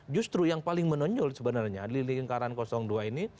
justru yang paling menonjol sebenarnya di lingkaran dua ini